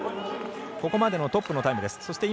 ここまでのトップのタイムです。